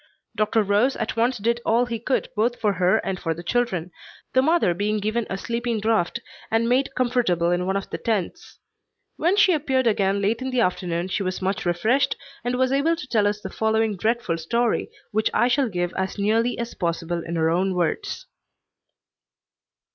Dr. Rose at once did all he could both for her and for the children, the mother being given a sleeping draught and made comfortable in one of the tents. When she appeared again late in the afternoon she was much refreshed, and was able to tell us the following dreadful story, which I shall give as nearly as possible in her own words.